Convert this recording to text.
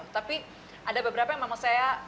tapi ada beberapa yang memang saya